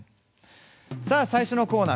最初のコーナー